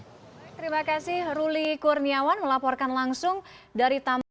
dan juga dari tmp peniawan melaporkan langsung dari taman kalibata